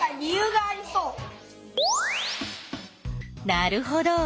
なるほど。